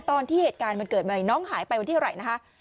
ตอนที่เหตุการณ์มันเกิดใหม่น้องหายไปวันที่เท่าไหร่นะคะ